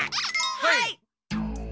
はい！